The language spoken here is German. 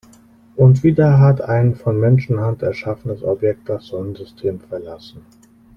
Und wieder hat ein von Menschenhand erschaffenes Objekt das Sonnensystem verlassen.